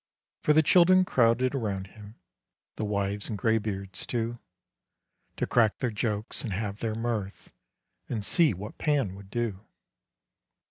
For the children crowded round him, The wives and graybeards, too, To crack their jokes and have their mirth, And see what Pan would do.